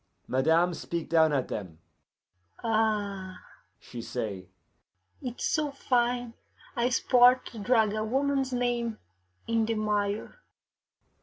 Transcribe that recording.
Madame speak down at them. 'Ah,' she say, 'it is so fine a sport to drag a woman's name in the mire!